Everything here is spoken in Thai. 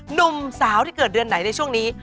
หนุ่มสาวที่เกิดเดือนไหนในช่วงนี้